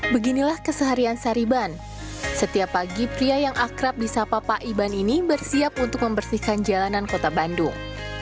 beginilah keseharian sariban setiap pagi pria yang akrab di sapa pak iban ini bersiap untuk membersihkan jalanan kota bandung